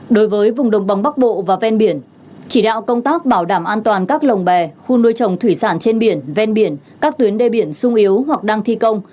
đối với vùng đồng bằng bắc bộ và ven biển chỉ đạo công tác bảo đảm an toàn các lồng bè khu nuôi trồng thủy sản trên biển ven biển các tuyến đê biển sung yếu hoặc đang thi công